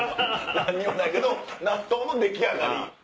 何もないけど納豆の出来上がり。